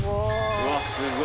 うわっすごい。